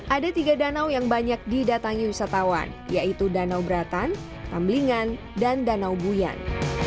ada tiga danau yang banyak didatangi wisatawan yaitu danau beratan tamblingan dan danau buyan